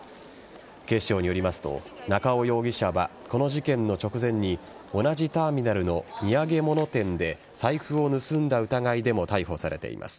警視庁によりますと中尾容疑者は、この事件の直前に同じターミナルの土産物店で財布を盗んだ疑いでも逮捕されています。